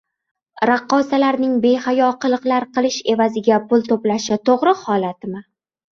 raqqosalarning behayo qiliqlar qilish evaziga pul to'plashi to'gri holatmi?